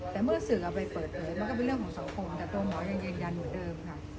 แต่เมื่อสื่อเอาไปเปิดเผยมันก็เป็นเรื่องของสังคมแต่ตัวหมอยังยืนยันเหมือนเดิมค่ะ